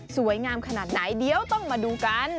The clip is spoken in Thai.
สวยงามขนาดไหนเดี๋ยวต้องมาดูกัน